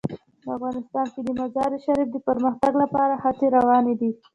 په افغانستان کې د مزارشریف د پرمختګ لپاره هڅې روانې دي.